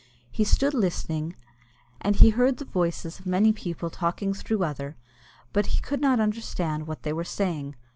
He stood listening, and he heard the voices of many people talking through other, but he could not understand what they were saying.